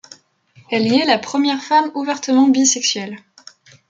Elle y est la première femme ouvertement bisexuelle.